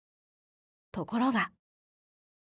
ところが。